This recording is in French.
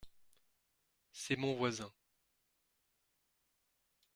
C’est mon voisin.